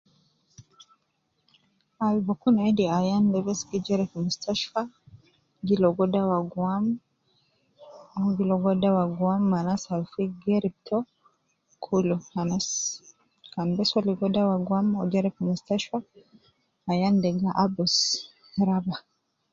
Al bukun endi ayan de bes gi jere fi mustashfa giligo dawa gwam mon gi ligo dawa gwam ma anas al fi gerib to kulu, anas kan bes o ligo dawa gwam o jere fi mustashfa, ayan de gi abus raba.